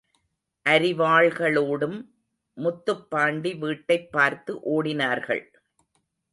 அரிவாள்களோடும், முத்துப்பாண்டி வீட்டைப் பார்த்து ஓடினார்கள்.